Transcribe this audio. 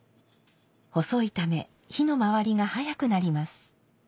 細いため火の回りが速くなります。